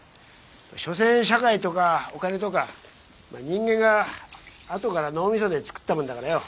所詮社会とかお金とか人間があとから脳みそで作ったもんだからよ。